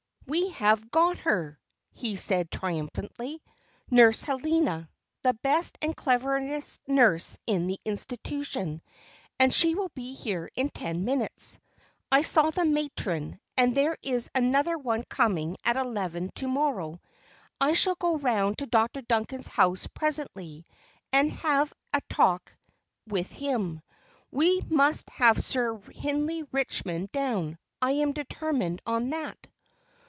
"We have got her!" he said, triumphantly, "Nurse Helena, the best and cleverest nurse in the Institution; and she will be here in ten minutes. I saw the matron, and there is another one coming at eleven to morrow. I shall go round to Dr. Duncan's house presently, and have a talk with him. We must have Sir Hindley Richmond down, I am determined on that."